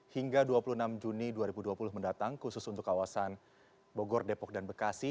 hingga dua puluh enam juni dua ribu dua puluh mendatang khusus untuk kawasan bogor depok dan bekasi